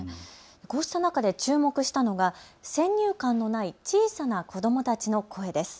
こうした中で注目したのが、先入観のない小さな子どもたちの声です。